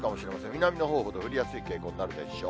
南のほうほど降りやすくなるでしょう。